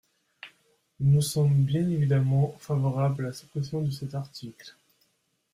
Nous sommes bien évidemment favorables à la suppression de cet article.